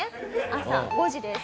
朝５時です。